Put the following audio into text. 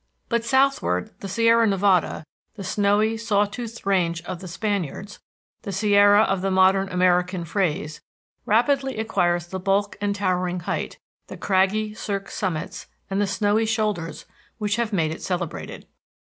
But southward the Sierra Nevada, the snowy saw toothed range of the Spaniards, the Sierra of modern American phrase, rapidly acquires the bulk and towering height, the craggy cirqued summits and the snowy shoulders which have made it celebrated.